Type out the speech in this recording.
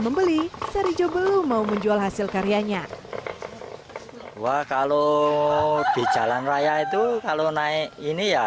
membeli sarijo belum mau menjual hasil karyanya wah kalau di jalan raya itu kalau naik ini ya